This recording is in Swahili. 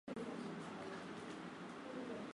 ambayo ni Rorya Tarime Mjini Tarime Bunda Mjini Bunda